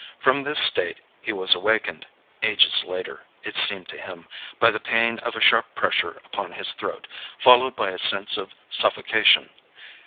From this state he was awakened ages later, it seemed to him by the pain of a sharp pressure upon his throat, followed by a sense of suffocation.